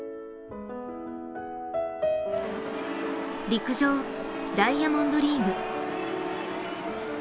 陸上、ダイヤモンドリーグ。